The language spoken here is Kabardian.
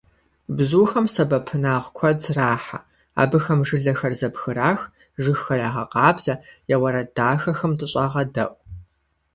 Бзухэм сэбэпынагъ куэд зэрахьэ. Абыхэм жылэхэр зэбгырах, жыгхэр ягъэкъабзэ, я уэрэд дахэхэм дыщӀагъэдэӀу.